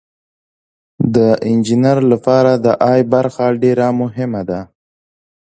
د انجینر لپاره د ای برخه ډیره مهمه ده.